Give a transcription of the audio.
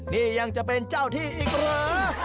นี่ยังจะเป็นเจ้าที่อีกเหรอ